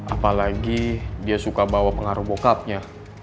apalagi dia suka bawa pengaruh bokapnya